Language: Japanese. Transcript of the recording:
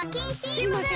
すいません！